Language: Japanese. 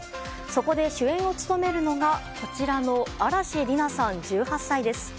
そこで主演を務めるのが嵐莉菜さん、１８歳です。